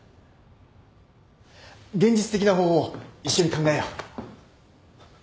現実的な方法を一緒に考えよう